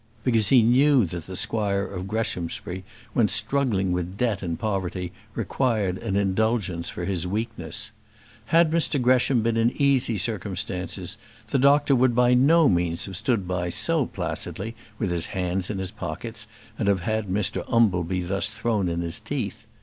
Because he knew that the squire of Greshamsbury, when struggling with debt and poverty, required an indulgence for his weakness. Had Mr Gresham been in easy circumstances, the doctor would by no means have stood so placidly with his hands in his pockets, and have had Mr Umbleby thus thrown in his teeth.